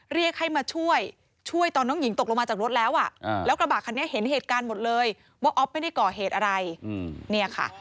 เรียกให้มาช่วยช่วยตอนน้องหญิงตกลงมาจากรถแล้วอ่ะแล้วกระบะคันนี้เห็นเหตุการณ์หมดเลยว่าอ๊อฟไม่ได้ก่อเหตุอะไรเนี่ยค่ะ